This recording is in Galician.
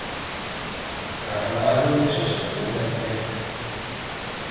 Rafa Nadal non deixa de sorprender, Terio.